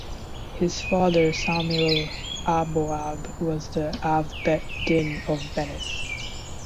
His father Samuel Aboab was the Av Bet Din of Venice.